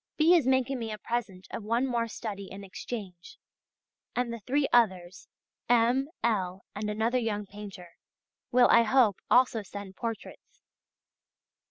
B. is making me a present of one more study in exchange, and the three others, M., L., and another young painter, will, I hope, also send portraits.